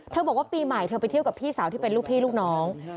บอกว่าปีใหม่เธอไปเที่ยวกับพี่สาวที่เป็นลูกพี่ลูกน้อง